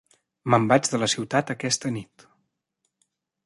Me'n vaig de la ciutat aquesta nit.